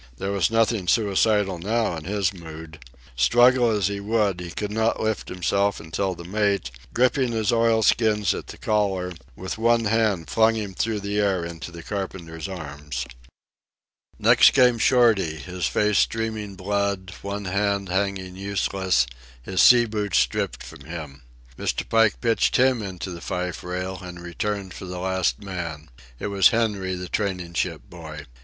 There was nothing suicidal now in his mood. Struggle as he would, he could not lift himself until the mate, gripping his oilskin at the collar, with one hand flung him through the air into the carpenter's arms. Next came Shorty, his face streaming blood, one arm hanging useless, his sea boots stripped from him. Mr. Pike pitched him into the fife rail, and returned for the last man. It was Henry, the training ship boy.